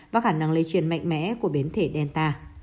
và khả năng lây truyền mạnh mẽ của biến thể delta